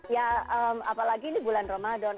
ya apalagi ini bulan ramadan